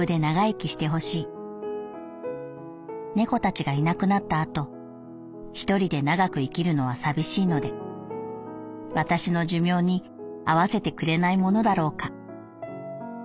猫たちがいなくなった後一人で長く生きるのは寂しいので私の寿命に合わせてくれないものだろうか」。